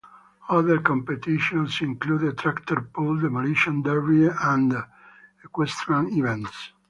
Other competitions include a tractor pull, demolition derby, and equestrian events.